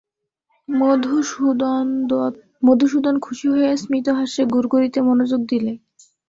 মধুসূদন খুশি হয়ে স্মিতহাস্যে গুড়গুড়িতে মনোযোগ দিলে।